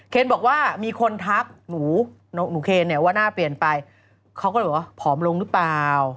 เขาก็หวัดว่าผอมลงหรือเปล่า